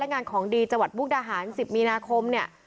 และการของดีมาที่จังหวัดมุกระหาศาสตร์๑๐มีนาคมเนี่ย